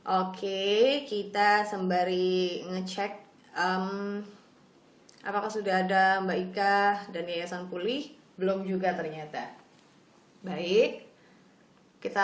oke kita sembari ngecek apakah sudah ada mba ika dan yayasan pulih belum juga ternyata baik kita